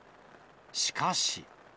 しかし。